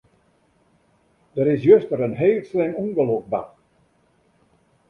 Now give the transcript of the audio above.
Der is juster in heel slim ûngelok bard.